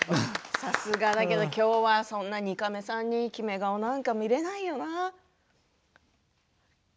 さすがだけどきょうはそんな２カメさんに決め顔なんて見られないよな。